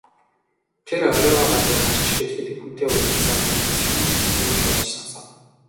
Тэр оройгоо гадуур гарч хэд хэдэн хүнтэй уулзаад нэг сонин зүйл олж сонсов.